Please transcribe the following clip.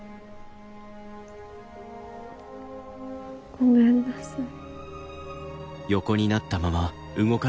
ごめんなさい。